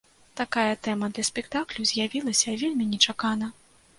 Такая тэма для спектаклю з'явілася вельмі нечакана.